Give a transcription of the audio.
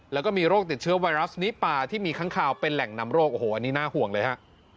แล้วก็มีโรคติดเชื้อไวรัสนิปาที่มีค้างคาวเป็นแหล่งนำโรคโอ้โหอันนี้น่าห่วงเลยฮะ